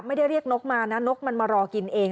เรียกนกมานะนกมันมารอกินเอง